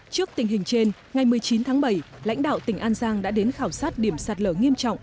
trước tình hình trên ngày một mươi chín tháng bảy lãnh đạo tỉnh an giang đã đến khảo sát điểm sạt lở nghiêm trọng